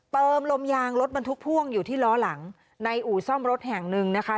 เติมลมยางรถบรรทุกพ่วงอยู่ที่ล้อหลังในอู่ซ่อมรถแห่งหนึ่งนะคะ